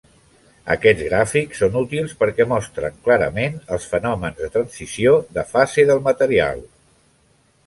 Aquests gràfics són útils perquè mostren clarament els fenòmens de transició de fase del material.